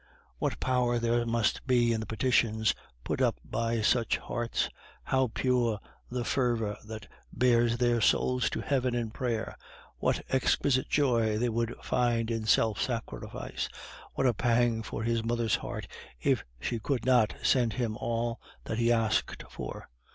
What power there must be in the petitions put up by such hearts; how pure the fervor that bears their souls to Heaven in prayer! What exquisite joy they would find in self sacrifice! What a pang for his mother's heart if she could not send him all that he asked for!